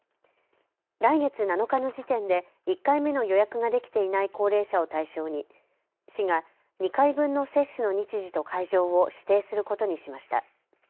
来月７日の時点で１回目の予約ができていない高齢者を対象に市が２回分の接種の日時と会場を指定することにしました。